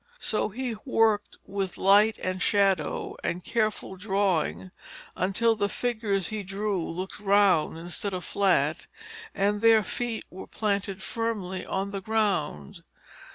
So he worked with light and shadow and careful drawing until the figures he drew looked rounded instead of flat, and their feet were planted firmly on the ground.